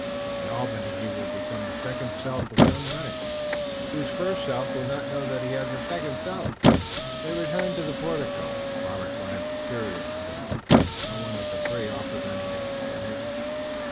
In Albany he will become the second self of young Lennox, whose first self will not know that he has a second self." They returned to the portico. Robert glanced curiously at them, but not one of the three offered any explanation.